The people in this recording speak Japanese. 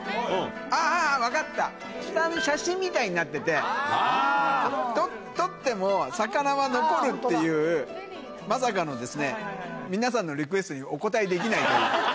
あぁ分かった下に写真みたいになってて取っても魚は残るっていうまさかの皆さんのリクエストにお応えできないという。